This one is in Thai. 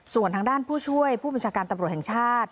ส่วนทางด้านผู้ช่วยผู้บัญชาการตำรวจแห่งชาติ